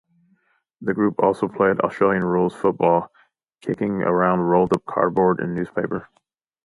The group also played Australian rules football, kicking around rolled up cardboard and newspaper.